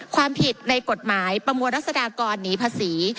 ความผิดในกฎหมายประมวลรัศดากรหนีภาษี